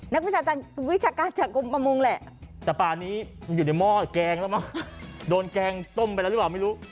นักวิชาวิชาการจากกรมประมงแหละแต่ป่านี้อยู่ในหม้อแกงแล้วมั้งโดนแกงต้มไปแล้วหรือเปล่าไม่รู้